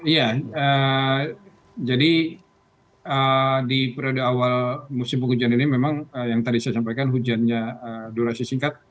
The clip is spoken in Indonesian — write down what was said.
iya jadi di periode awal musim penghujan ini memang yang tadi saya sampaikan hujannya durasi singkat